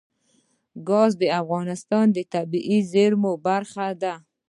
ګاز د افغانستان د طبیعي زیرمو برخه ده.